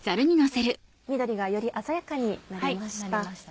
緑がより鮮やかになりました。